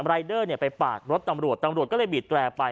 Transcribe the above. รายเดอร์ไปปาดรถตำรวจตำรวจก็เลยบีดแรร์ไป